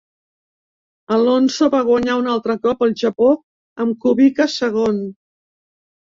Alonso va guanyar un altre cop al Japó amb Kubica segon.